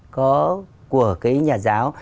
của cái nhà giáo